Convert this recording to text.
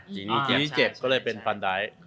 ทีนี้เจ็บก็เลยเป็นฟันไดท์